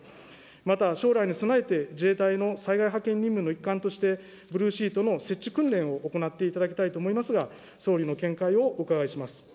また、将来に備えて、自衛隊の災害派遣任務の一環として、ブルーシートの設置訓練を行っていただきたいと思いますが、総理の見解をお伺いします。